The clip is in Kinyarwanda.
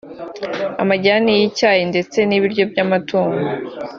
amajyani y’icyayi ndetse n’ibiryo by’amatungo